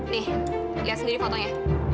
nih lihat sendiri fotonya